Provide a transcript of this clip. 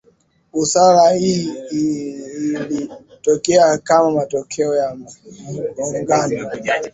busara Hii ilitokea kama matokeo ya mgongano